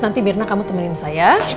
nanti mirna kamu temenin saya